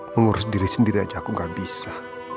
mengurus diri sendiri aja aku gak bisa